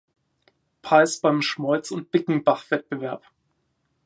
Preis beim Schmolz- und Bickenbach-Wettbewerb.